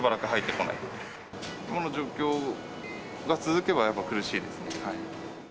この状況が続けばやっぱり苦しいですね。